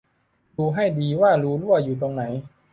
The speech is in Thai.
ดูให้ดีว่ารูรั่วอยู่ตรงไหน